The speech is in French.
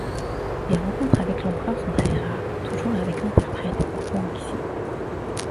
Les rencontres avec l'empereur sont très rares, toujours avec l'interprète guanxi.